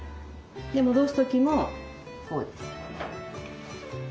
戻す時もこうです。